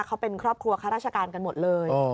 เขาเป็นครอบครัวข้าราชการกันหมดเลย